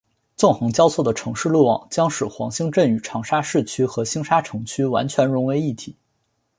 纵横交错的城市路网将使黄兴镇与长沙市区和星沙城区完全融为一体。